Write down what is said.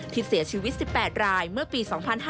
ที่เสียชีวิต๑๘รายเมื่อปี๒๕๕๙